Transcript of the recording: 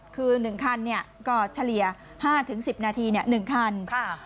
คือหนึ่งคันเนี่ยก็เฉลี่ยห้าถึงสิบนาทีเนี่ยหนึ่งคันค่ะ